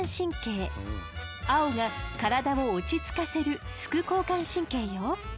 青が体を落ち着かせる副交感神経よ。